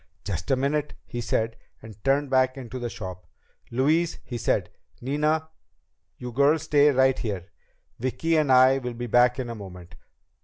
"Just a minute," he said, and turned back into the shop. "Louise," he said. "Nina. You girls stay right here. Vicki and I will be back in a moment."